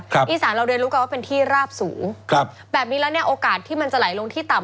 อีสานเราเรียนรู้กันว่าเป็นที่ราบสูงครับแบบนี้แล้วเนี่ยโอกาสที่มันจะไหลลงที่ต่ำ